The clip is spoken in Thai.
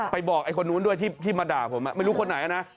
บอกไอ้คนนู้นด้วยที่มาด่าผมไม่รู้คนไหนนะ